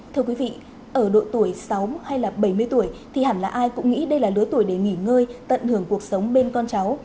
thưa quý vị ở độ tuổi sáu hay là bảy mươi tuổi thì hẳn là ai cũng nghĩ đây là lứa tuổi để nghỉ ngơi tận hưởng cuộc sống bên con cháu